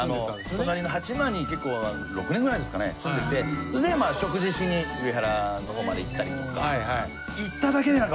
隣の八幡に結構６年くらいですかね住んでてそれで食事しに上原のほうまで行ったりとか。